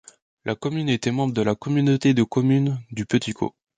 La commune était membre de la communauté de communes du Petit Caux.